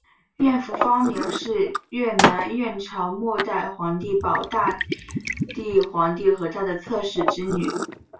阮福芳明是越南阮朝末代皇帝保大帝皇帝和他的侧室之女。